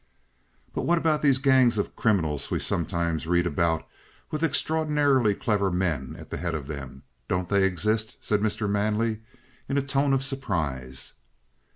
"But what about these gangs of criminals we sometimes read about, with extraordinarily clever men at the head of them? Don't they exist?" said Mr. Manley, in a tone of surprise.